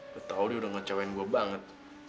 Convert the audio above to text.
gue tau dia udah ngecewek gue banget